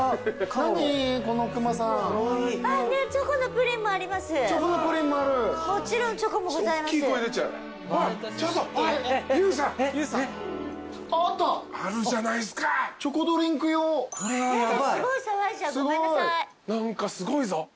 何かすごいぞ。